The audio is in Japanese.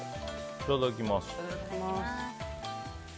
いただきます。